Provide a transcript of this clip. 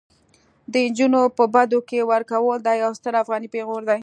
د انجونو په بدو کي ورکول دا يو ستر افغاني پيغور دي